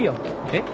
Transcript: えっ？